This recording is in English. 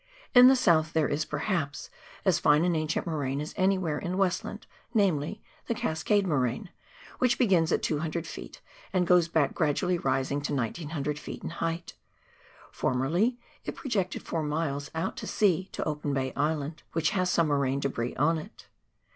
In the south there is, perhaps, as fine an ancient moraine as any where in Westland — namely, the Cascade moraine — which begins at 200 ft., and goes back, gradually rising to 1,900 ft. in height. Formerly it projected four miles out to sea to Open Bay Island, which has some moraine debris on it.